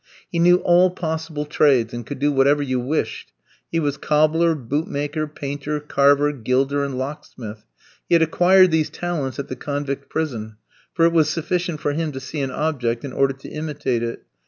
He knew all possible trades, and could do whatever you wished. He was cobbler, bootmaker, painter, carver, gilder, and locksmith. He had acquired these talents at the convict prison, for it was sufficient for him to see an object, in order to imitate it.